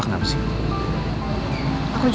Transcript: gak masalah ada kakita